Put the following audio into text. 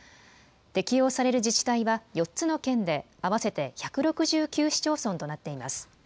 適用される自治体は４つの県で合わせて１６９市町村となっています。